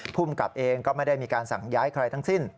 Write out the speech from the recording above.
ภูมิกับเองก็ไม่ได้มีการสั่งย้ายใครทั้งสิ้น